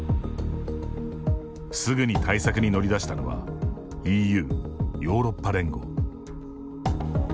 すぐに対策に乗り出したのはＥＵ＝ヨーロッパ連合。